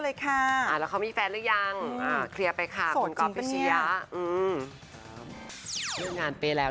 เรื่องงานไปแล้ว